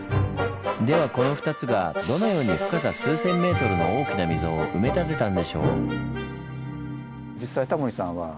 ではこの２つがどのように深さ数千ｍの大きな溝を埋め立てたんでしょう？